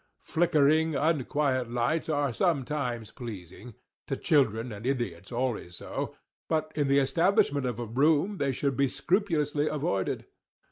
Flickering, unquiet lights, are _sometimes _pleasing—to children and idiots always so—but in the embellishment of a room they should be scrupulously avoided.